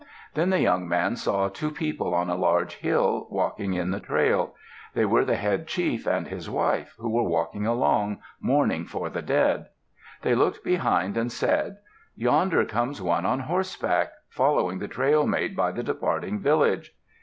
Then the young man saw two people on a large hill, walking in the trail. They were the head chief and his wife who were walking along, mourning for the dead. They looked behind and said, "Yonder comes one on horseback, following the trail made by the departing village."